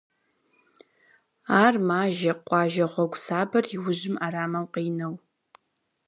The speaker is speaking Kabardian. Ар мажэ къуажэ гьуэгу сабэр и ужьым ӏэрамэу къинэу.